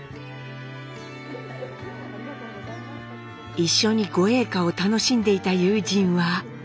一緒に御詠歌を楽しんでいた友人は。